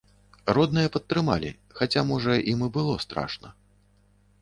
Родныя падтрымалі, хаця, можа, ім і было страшна.